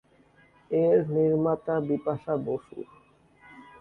এর নির্মাতা বিপাশা বসু।